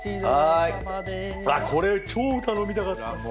これ超頼みたかった。